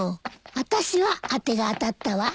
あたしは当てが当たったわ。